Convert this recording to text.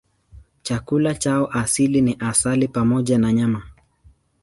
Chakula chao asili ni asali pamoja na nyama.